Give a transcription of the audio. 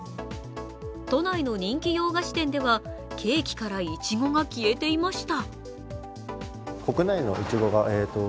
都内の人気洋菓子店ではケーキからいちごが消えていました。